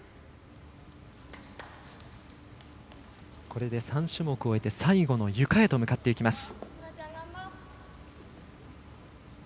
これで３種目終えて最後のゆかへと向かっていきます。